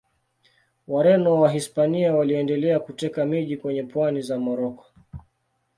Wareno wa Wahispania waliendelea kuteka miji kwenye pwani za Moroko.